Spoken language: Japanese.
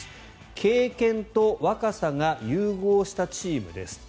経験と若さが融合したチームです。